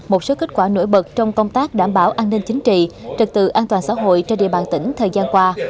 một số kết quả nổi bật trong công tác đảm bảo an ninh chính trị trật tự an toàn xã hội trên địa bàn tỉnh thời gian qua